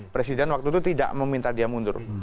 presiden waktu itu tidak meminta dia mundur